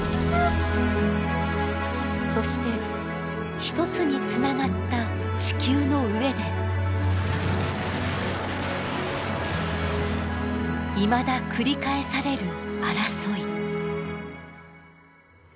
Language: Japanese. そして一つにつながった地球の上でいまだ繰り返される争い。